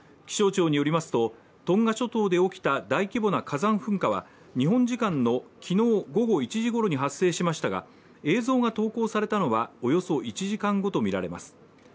気象庁によりますとトンガ諸島で起きました大規模な火山噴火は日本時間の昨日午後１時ごろに発生しましたが映像が投稿されたのはおよそ１時間後とみられます。